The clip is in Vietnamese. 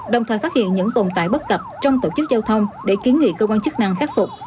đồng thời phát hiện những tồn tại bất cập trong tổ chức giao thông để kiến nghị cơ quan chức năng khắc phục